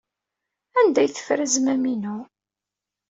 Anda ay teffer azmam-inu?